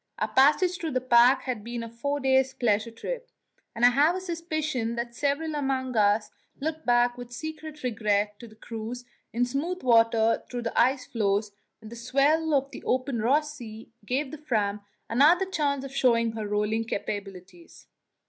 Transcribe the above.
Our passage through the pack had been a four days' pleasure trip, and I have a suspicion that several among us looked back with secret regret to the cruise in smooth water through the ice floes when the swell of the open Ross Sea gave the Fram another chance of showing her rolling capabilities.